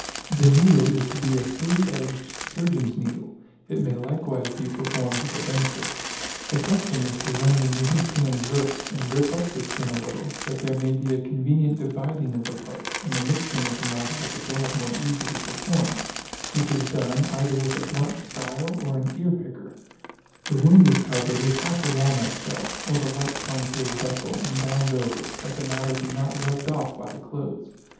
The needle is to be a three edged surgeon's needle; it may likewise be per formed with a lancet : the custom is to run the needle transverse, and rip up the skin a little, that there may be a convenient dividing of the part, and the mixing of the matter with the blood more easily performed; which is done, either with a blunt stile, or an ear picker: the wound is covered with half a walnut shell, or the like concave vessel, and bound over, that the matter be not rubbed off" by the clothes.